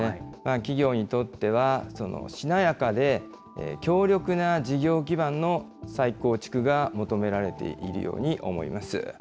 企業にとってはしなやかで強力な事業基盤の再構築が求められているように思います。